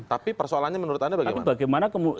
tapi persoalannya menurut anda bagaimana